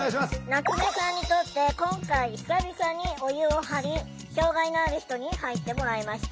夏目さんにとって今回久々にお湯を張り障害のある人に入ってもらいました。